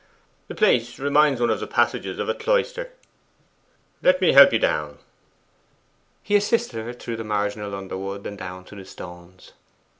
The place reminds one of the passages of a cloister. Let me help you down.' He assisted her through the marginal underwood and down to the stones.